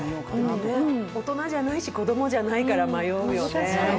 大人じゃないし、子どもじゃないから悩むよね。